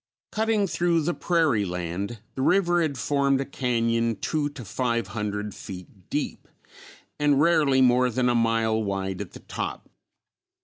Cutting through the prairie land the river had formed a cañon two to five hundred feet deep and rarely more than a mile wide at the top.